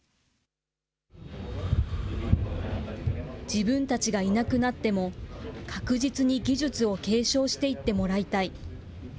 自分たちがいなくなっても、確実に技術を継承していってもらいたい。